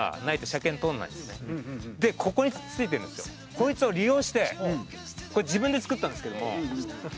こいつを利用してこれ自分で作ったんですけども。